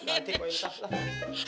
berarti kok itu